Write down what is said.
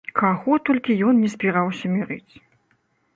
Каго толькі ён ні збіраўся мірыць.